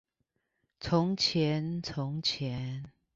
從前從前